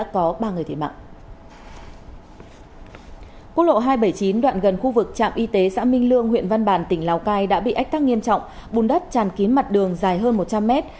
quốc lộ hai trăm bảy mươi chín đoạn gần khu vực trạm y tế xã minh lương huyện văn bàn tỉnh lào cai đã bị ách tắc nghiêm trọng bùn đất tràn kín mặt đường dài hơn một trăm linh mét